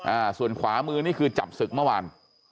อ่าส่วนขวามือนี่คือจับศึกเมื่อวาน